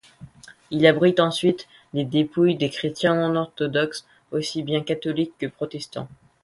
Il abrite ensuite les dépouilles des chrétiens non-orthodoxes, aussi bien catholiques que protestants.